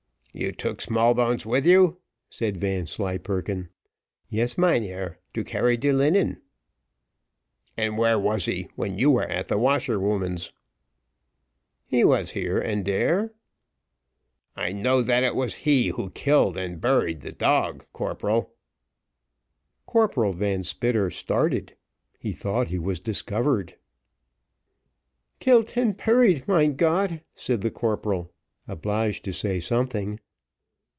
"You took Smallbones with you?" said Vanslyperken. "Yes, mynheer, to carry de linen." "And where was he when you were at the washerwoman's." "He was here and dere." "I know that it was he who killed and buried the dog, corporal." Corporal Van Spitter started, he thought he was discovered. "Kilt and perryed, mein Gott!" said the corporal, obliged to say something.